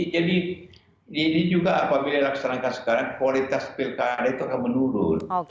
jadi ini juga apabila dilaksanakan sekarang kualitas pilkada itu akan menurun